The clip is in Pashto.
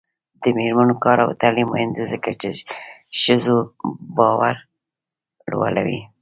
د میرمنو کار او تعلیم مهم دی ځکه چې ښځو باور لوړوي.